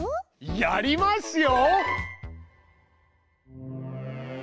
やりますよ！